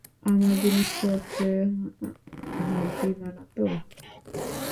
আমার জিনিসপত্রে হাত দিবা নাতো।